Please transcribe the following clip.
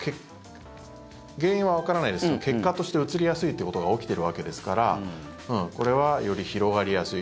原因はわからないですけど結果としてうつりやすいということが起きているわけですからこれは、より広がりやすい。